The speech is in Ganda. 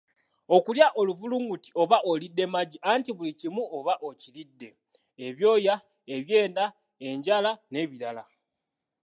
"Okulya oluvulunguti oba olidde magi anti buli kimu oba okiridde ebyoya, ebyenda, enjala n’ebirala"